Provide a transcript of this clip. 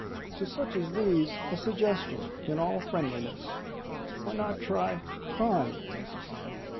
To such as these a suggestion, in all friendliness: why not try crime?